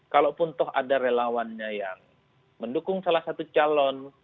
kalaupun toh ada relawannya yang mendukung salah satu calon